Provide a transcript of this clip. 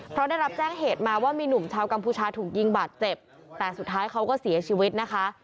เพราะได้รับแจ้งเหตุมาว่ามีหนุ่มชาวกัมพูชาถูกยิงบาดเจ็บแต่สุดท้ายเขาก็เสียชีวิตนะคะ